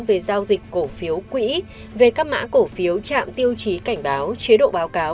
về giao dịch cổ phiếu quỹ về các mã cổ phiếu trạm tiêu chí cảnh báo chế độ báo cáo